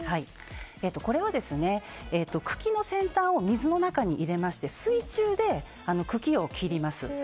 これは茎の先端を水の中に入れまして、水中で茎を切ります。